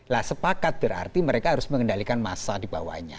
lah sepakat berarti mereka harus mengendalikan massa di bawahnya